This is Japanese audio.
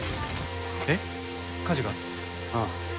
えっ火事が？ああ。